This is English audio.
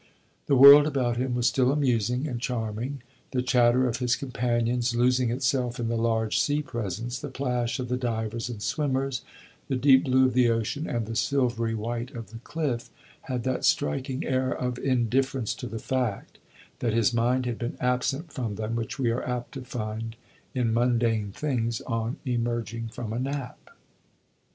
The world about him was still amusing and charming; the chatter of his companions, losing itself in the large sea presence, the plash of the divers and swimmers, the deep blue of the ocean and the silvery white of the cliff, had that striking air of indifference to the fact that his mind had been absent from them which we are apt to find in mundane things on emerging from a nap.